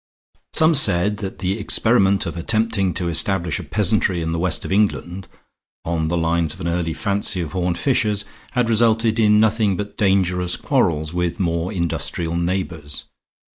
Some said that the experiment of attempting to establish a peasantry in the west of England, on the lines of an early fancy of Horne Fisher's, had resulted in nothing but dangerous quarrels with more industrial neighbors.